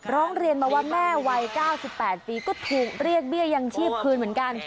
ร้องเรียนมาว่าแม่วัย๙๘ปีก็ถูกเรียกเบี้ยยังชีพคืนเหมือนกัน